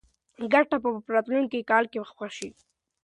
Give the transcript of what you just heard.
ګټه به په راتلونکي کال کې ښه شي.